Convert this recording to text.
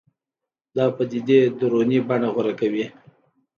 دا پدیدې دروني بڼه غوره کوي